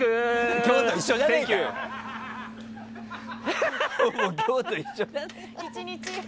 今日と一緒じゃねえか！